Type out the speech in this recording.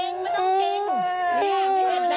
กลับมาไปเลยเออจบไม่ต้องเก่งไม่ต้องเก่ง